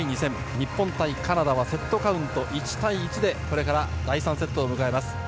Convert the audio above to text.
日本対カナダはセットカウント１対１でこれから第３セットを迎えます。